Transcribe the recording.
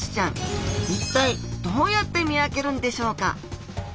一体どうやって見分けるんでしょうか？